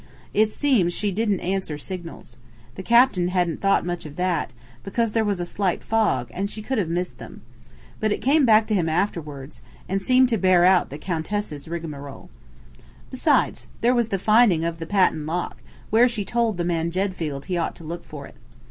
It seems she didn't answer signals. The captain hadn't thought much of that, because there was a slight fog and she could have missed them. But it came back to him afterward, and seemed to bear out the Countess's rigmarole. "Besides, there was the finding of the patent lock, where she told the man Jedfield he ought to look for it."